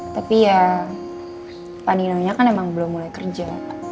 tapi ya pak nino nya kan emang belum mulai kerja